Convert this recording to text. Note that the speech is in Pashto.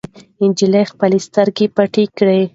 نجلۍ خپلې سترګې پټې کړې.